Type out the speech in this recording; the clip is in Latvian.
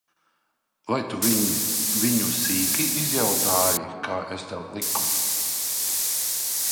Vai tu viņu sīki izjautāji, kā es tev liku?